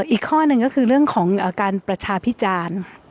อีกข้อหนึ่งก็คือเรื่องของการประชาพิจารณ์